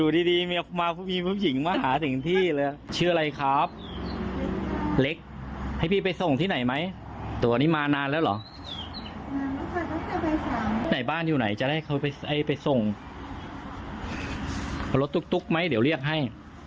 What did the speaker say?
รถตุ๊กตุ๊กไหมเดี๋ยวเรียกให้